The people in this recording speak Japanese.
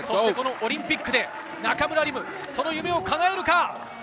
オリンピックで中村輪夢、夢をかなえるか。